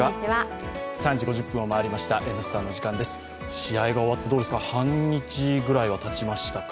試合が終わって半日ぐらいはたちましたか。